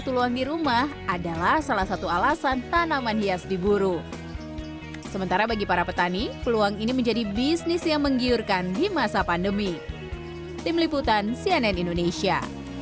tim liputan cnn indonesia